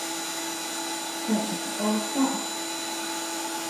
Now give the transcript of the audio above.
Kues noʼos toʼö.